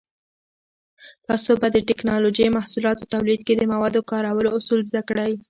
تاسو به د ټېکنالوجۍ محصولاتو تولید کې د موادو کارولو اصول زده کړئ.